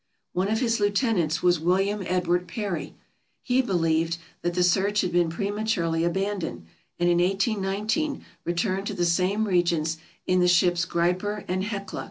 One of his lieutenants was William Edward Parry. He believed that the search had been prematurely abandoned, and in 1819 returned to the same regions in the ships "Griper" and "Hecla."